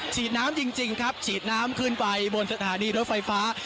ฉีดน้ำจริงครับฉีดน้ำขึ้นไปบนสถานีรถไฟฟ้า